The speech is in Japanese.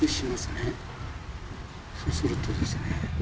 そうするとですね